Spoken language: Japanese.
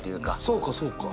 そうかそうか。